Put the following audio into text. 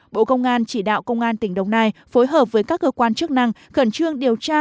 bộ công an chỉ đạo công an tỉnh đồng nai phối hợp với các cơ quan chức năng khẩn trương điều tra